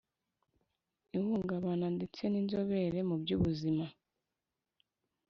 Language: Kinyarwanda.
ihungabana ndetse n inzobere mu by ubuzima